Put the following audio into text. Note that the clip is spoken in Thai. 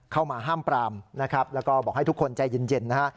เข้ามาห้ามปรามนะครับแล้วก็บอกให้ทุกคนใจเย็นนะฮะ